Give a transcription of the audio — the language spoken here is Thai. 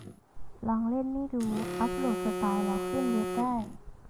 ลองเล่นนี่ดู อัปโหลดสไลด์เราขึ้นเว็บได้